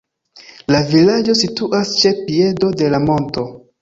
La vilaĝo situas ĉe piedo de la monto.